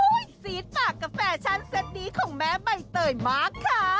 ซีดปากกาแฟชั่นเซ็ตนี้ของแม่ใบเตยมากค่ะ